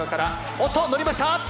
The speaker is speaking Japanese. おっとのりました！